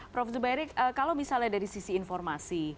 prof zubairi kalau misalnya dari sisi informasi